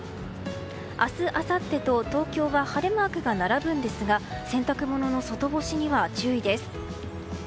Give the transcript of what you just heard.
明日、あさってと東京は晴れマークが並びますが洗濯物の外干しには注意です。